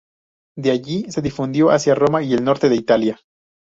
De allí se difundió hacia Roma y el norte de Italia.